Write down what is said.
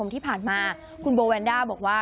ที่ผ่านมาคุณโบแวนด้าบอกว่า